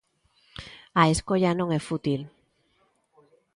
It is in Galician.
A escolla non e fútil.